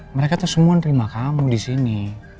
mereka itu semua nerima kamu di sini